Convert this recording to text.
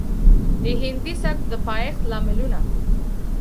د هندي سبک د پايښت لاملونه